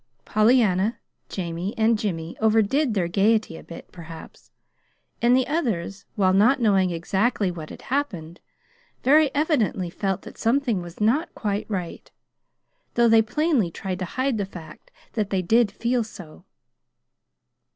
Pollyanna, Jamie, and Jimmy overdid their gayety a bit, perhaps; and the others, while not knowing exactly what had happened, very evidently felt that something was not quite right, though they plainly tried to hide the fact that they did feel so.